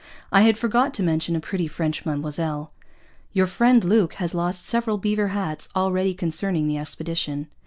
(I had forgot to mention a Pretty French Madammoselle.) Your Friend Luke has lost several Beaver Hatts already concerning the Expedition.